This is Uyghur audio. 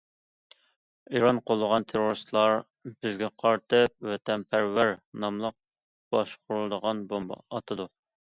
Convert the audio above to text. ئىران قوللىغان تېررورىستلار بىزگە قارىتىپ‹ ۋەتەنپەرۋەر› ناملىق باشقۇرۇلىدىغان بومبا ئاتىدۇ.